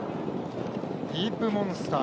ディープモンスター